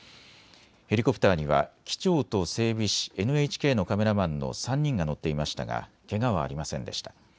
ヘリコプターには機長と整備士、ＮＨＫのカメラマンの３人が乗っていましたがけがはありませんでした。